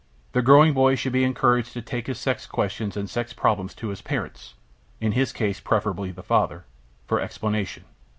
The growing boy should be encouraged to take his sex questions and sex problems to his parents (in his case preferably the father) for explanation.